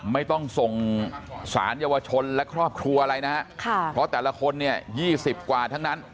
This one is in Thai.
ไม่ต้องส่งสารเยาวชนและครอบครัวอะไรนะฮะเพราะแต่ละคนเนี่ย๒๐กว่าทั้งนั้น